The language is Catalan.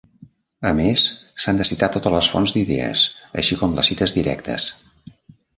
A més, s'han de citar totes les fonts d'idees, així com les cites directes.